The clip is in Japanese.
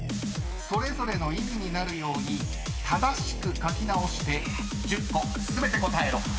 ［それぞれの意味になるように正しく書き直して１０個全て答えろ］